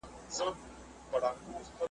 جهاني ماته مي نیکونو په سبق ښودلي `